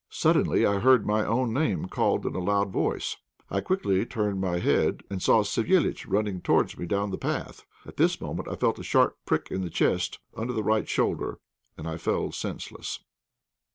Suddenly I heard my own name called in a loud voice. I quickly turned my head, and saw Savéliitch running towards me down the path. At this moment I felt a sharp prick in the chest, under the right shoulder, and I fell senseless.